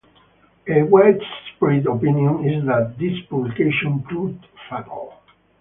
A widespread opinion is that this publication proved fatal.